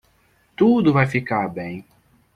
Tudo vai ficar bem.